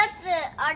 あれ。